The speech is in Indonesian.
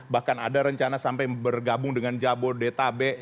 bahkan ada rencana sampai bergabung dengan jabodetabek